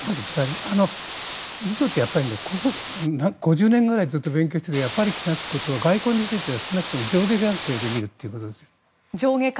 インドって５０年ぐらいずっと勉強していて気がつくことは外交については少なくとも上下関係で見るということです。